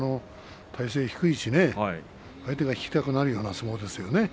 体勢低いし相手が引きたくなるような相撲ですね。